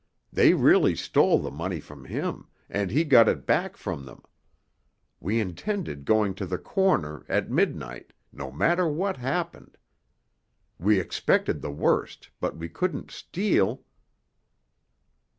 They really stole the money from him, and he got it back from them. We intended going to the corner—at midnight—no matter what happened. We expected the worst—but we couldn't steal."